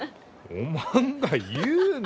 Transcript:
おまんが言うな！